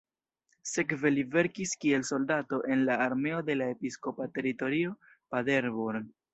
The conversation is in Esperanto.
Sekve li servis kiel soldato en la armeo de la episkopa teritorio Paderborn.